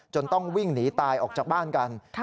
ต้องวิ่งหนีตายออกจากบ้านกัน